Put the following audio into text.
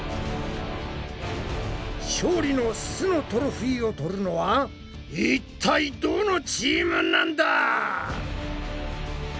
勝利の「す」のトロフィーを取るのはいったいどのチームなんだ！？